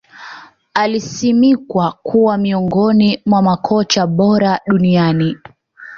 Alisimikwa kuwa miongoni mwa makocha bora duniani